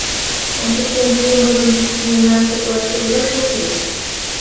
Ончыктен пуымыжым мемнан коклаште ужаш ок лий.